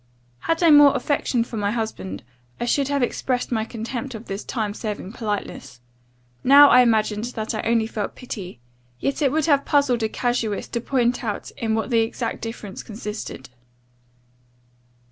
Had I had more affection for my husband, I should have expressed my contempt of this time serving politeness: now I imagined that I only felt pity; yet it would have puzzled a casuist to point out in what the exact difference consisted.